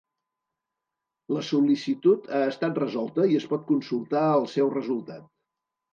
La sol·licitud ha estat resolta i es pot consultar el seu resultat.